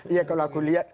ya kalau aku lihat